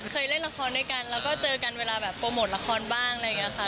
เคยเล่นละครด้วยกันแล้วก็เจอกันเวลาแบบโปรโมทละครบ้างอะไรอย่างนี้ค่ะ